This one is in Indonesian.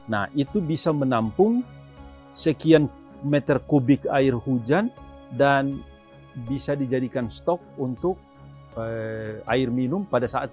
nah itu bisa menampung sekian meter kubik air hujan dan bisa dijadikan stok untuk air minum pada saat